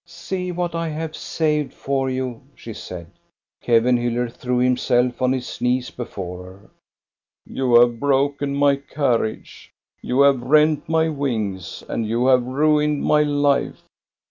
" See what I have saved for you," she said. Kevenhiiller threw himself on his knees before her. " You have broken my carriage, you have rent my wings, and you have ruined my life.